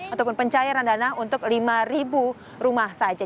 ataupun pencairan dana untuk lima rumah saja